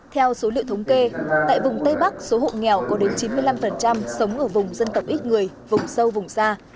theo số liệu thống kê tại vùng tây bắc số hộ nghèo có đến chín mươi năm sống ở vùng dân tộc ít người vùng sâu vùng xa